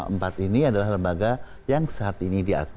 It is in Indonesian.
empat ini adalah lembaga yang saat ini diakui